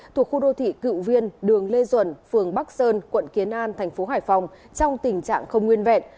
thuộc khu đô thị cựu viên đường lê duẩn phường bắc sơn quận kiến an thành phố hải phòng trong tình trạng không nguyên vẹn